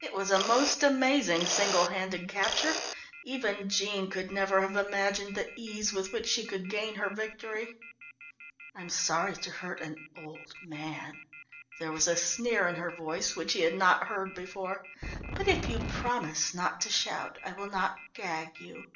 It was a most amazing single handed capture even Jean could never have imagined the ease with which she could gain her victory. "I'm sorry to hurt an old man." There was a sneer in her voice which he had not heard before. "But if you promise not to shout, I will not gag you."